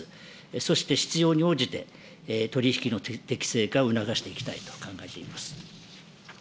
そして必要に応じて、取り引きの適正化を促していきたいと考えています。